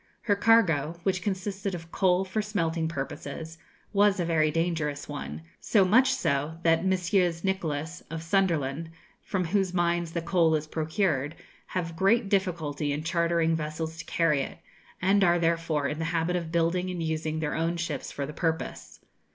Her cargo, which consisted of coal for smelting purposes, was a very dangerous one; so much so that Messrs. Nicholas, of Sunderland, from whose mines the coal is procured, have great difficulty in chartering vessels to carry it, and are therefore in the habit of building and using their own ships for the purpose.